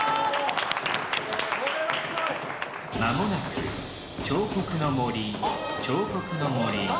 間もなく彫刻の森彫刻の森。